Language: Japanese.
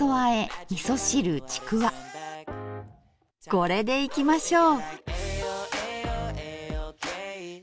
これでいきましょう！